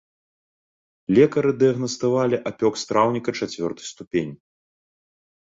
Лекары дыягнаставалі апёк страўніка чацвёртай ступені.